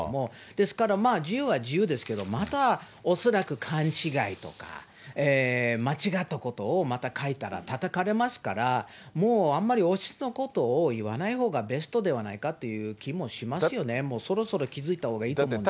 ですから、自由は自由ですけど、また恐らく勘違いとか、間違ったことをまた書いたらたたかれますから、もうあんまり王室のことを言わないほうがベストではないかって気もしますよね、もうそろそろ気付いたほうがいいですよね。